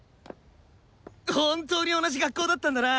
本当に同じ学校だったんだな。